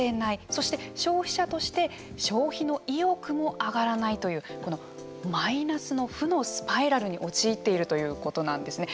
そして消費者として消費の意欲も上がらないというマイナスの負のスパイラルに陥っているということなんですね。